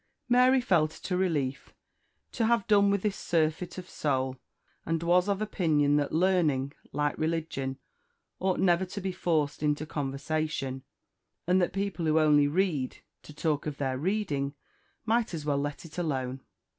Mary felt it a relief to have done with this surfeit of soul, and was of opinion that learning, like religion, ought never to be forced into conversation; and that people who only read to talk of their reading might as well let it alone.